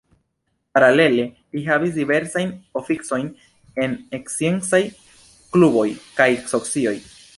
Paralele li havis diversajn oficojn en sciencaj kluboj kaj socioj.